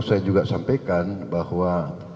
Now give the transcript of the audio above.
saya juga sampaikan bahwa